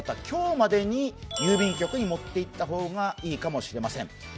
今日までに郵便局に持っていった方がいいかもしれません。